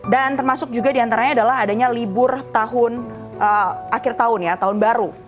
dan termasuk juga di antaranya adalah adanya libur tahun akhir tahun ya tahun baru